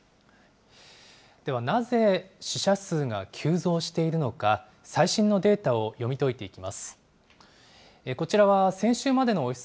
では、なぜ死者数が急増しているのか、最新のデータを読み解いていきます。